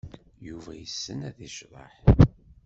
Yuba yessen ad yecḍeḥ.